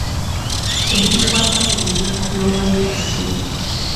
Ebikwata ku bibiina by’Obwegassi.